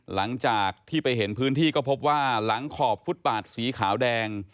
หลังจากที่ไปเห็นพื้นที่ก็พบว่าหลังขอบฟุตบาทสีขาวแดง